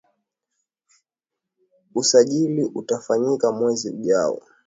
Usajili utafanyika mwezi ujao